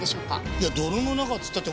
いや泥の中っつったって